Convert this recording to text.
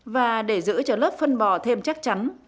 và để giữ cho lớp phân bò thêm chắc chắn